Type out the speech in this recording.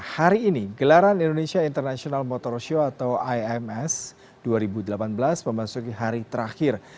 hari ini gelaran indonesia international motor show atau ims dua ribu delapan belas memasuki hari terakhir